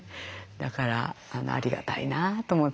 だからありがたいなと思って。